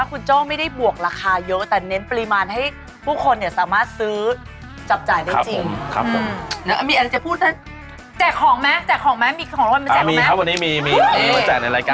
คุณโจ๊ะน่ารักมากเลยอันนี้ค่ะคุณคะเป็นที่ใส่โทรศัพท์มือถืออุ๊ยน่ารัก